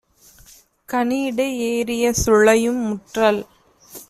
கனியிடை ஏறிய சுளையும் - முற்றல்